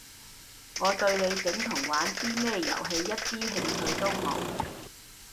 我對你整同玩啲咩遊戲一啲興趣都冇